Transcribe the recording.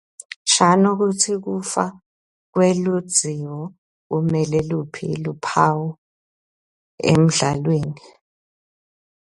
Shano kutsi kufa kweludziwo kumele luphi luphawu emdlalweni?